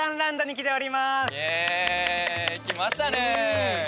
来ましたね。